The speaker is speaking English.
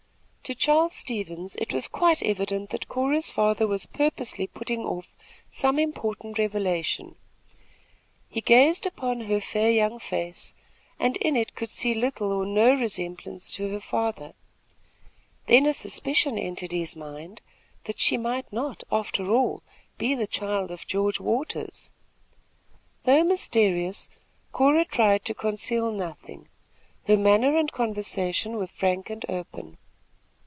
To Charles Stevens, it was quite evident that Cora's father was purposely putting off some important revelation. He gazed upon her fair young face and in it could see little or no resemblance to her father. Then a suspicion entered his mind, that she might not after all be the child of George Waters. Though mysterious, Cora tried to conceal nothing; her manner and conversation were frank and open.